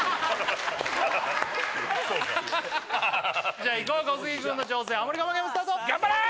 じゃいこう小杉くんの挑戦ハモリ我慢ゲームスタート頑張れー！